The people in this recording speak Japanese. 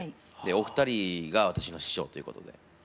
お二人が私の師匠ということで。